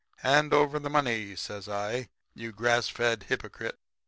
Hand over the money,' says I, 'you grass fed hypocrite.'